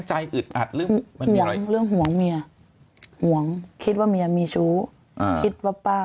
อึดอัดเรื่องห่วงเรื่องห่วงเมียห่วงคิดว่าเมียมีชู้คิดว่าป้า